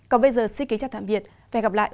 còn bây giờ xin kính chào tạm biệt và hẹn gặp lại